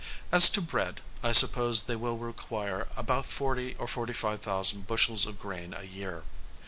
As to bread, I suppose they will require about forty or forty five thousand bushels of grain a year.